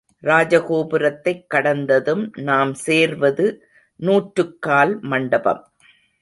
ராஜகோபுரத்தைக் கடந்ததும் நாம் சேர்வது நூற்றுக்கால் மண்டபம்.